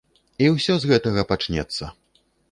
І ўсё з гэтага пачнецца.